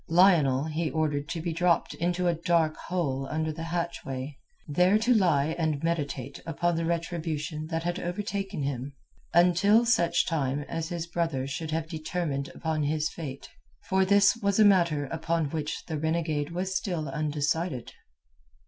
Lionel he ordered to be dropped into a dark hole under the hatchway, there to lie and meditate upon the retribution that had overtaken him until such time as his brother should have determined upon his fate—for this was a matter upon which the renegade was still undecided.